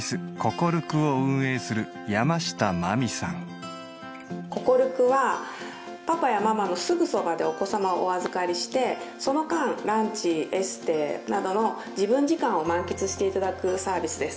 こるくはパパやママのすぐそばでお子様をお預かりしてその間ランチエステなどの自分時間を満喫していただくサービスです